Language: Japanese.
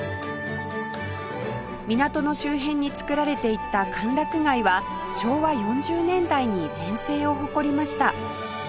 港の周辺につくられていった歓楽街は昭和４０年代に全盛を誇りました